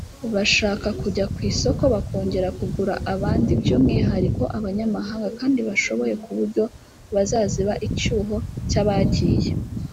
bashaka kujya ku isoko bakongera kugura abandi by’umwihariko abanyamahanga kandi bashoboye ku buryo bazaziba icyuho cy’abagiye